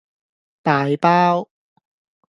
大包